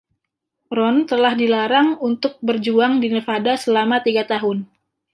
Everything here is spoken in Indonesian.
Rone telah dilarang untuk berjuang di Nevada selama tiga tahun.